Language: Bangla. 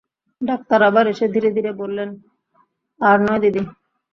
ডাক্তার আবার এসে ধীরে ধীরে বললে, আর নয় দিদি।